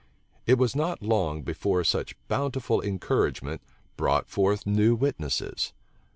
It was not long before such bountiful encouragement brought forth new witnesses.